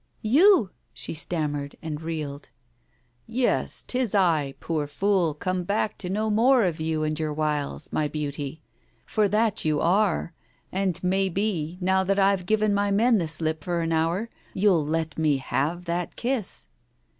"You !" she stammered, and reeled. "Yes, 'tis I, poor fool, come back to know more of you and your wiles, my beauty. For that you are; and may be, now that I've given my men the slip for an hour, you'll let me have that kiss